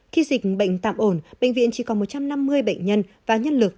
khi dịch bệnh tạm ổn bệnh viện chỉ còn một trăm năm mươi bệnh nhân và nhân lực